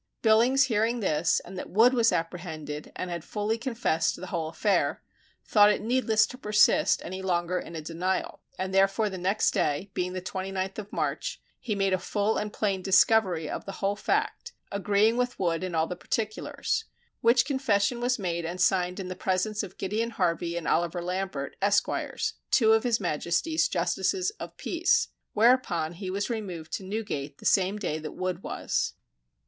Billings hearing this and that Wood was apprehended and had fully confessed the whole affair, thought it needless to persist any longer in a denial, and therefore the next day, being the 29th of March, he made a full and plain discovery of the whole fact, agreeing with Wood in all the particulars; which confession was made and signed in the presence of Gideon Harvey and Oliver Lambert, Esqs., two of his Majesty's justices of peace, whereupon he was removed to Newgate the same day that Wood was.